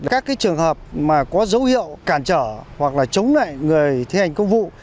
các trường hợp mà có dấu hiệu cản trở hoặc là chống lại người thi hành công vụ